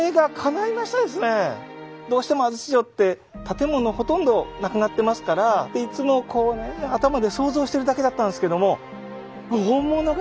どうしても安土城って建物ほとんどなくなってますからいつもこうね頭で想像してるだけだったんですけども本物がある！